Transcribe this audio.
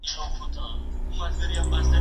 د بني اسرائيل نسل ته اسباط ويل کيدل.